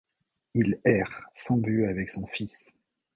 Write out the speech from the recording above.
Il erre sans but avec son fils.